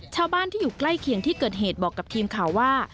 ชาวบ้านที่อยู่ใกล้เคียงที่เกิดเหตุบอกกับทีมข่าวว่า